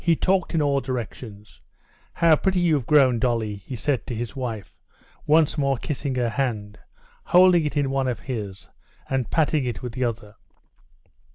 he talked in all directions. "How pretty you've grown, Dolly," he said to his wife, once more kissing her hand, holding it in one of his, and patting it with the other.